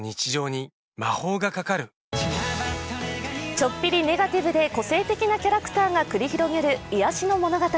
ちょっぴりネガティブで個性的なキャラクターが繰り広げる癒やしの物語。